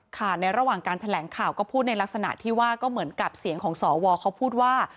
ในระหว่างการแถลงข่าวก็พูดในลักษณะที่ว่าก็เหมือนกับเสียงของสวเขาพูดว่า